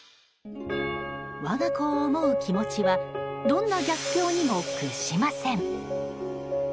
我が子を思う気持ちはどんな逆境でも屈しません。